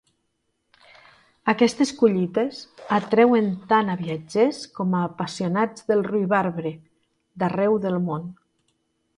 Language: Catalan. Aquestes "collites" atreuen tant a viatgers com a "apassionats del ruibarbre" d'arreu del món.